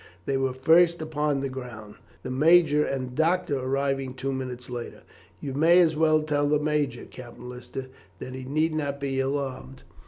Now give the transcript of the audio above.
They were first upon the ground; the major and doctor arriving two minutes later. "You may as well tell the major, Captain Lister, that he need not be alarmed.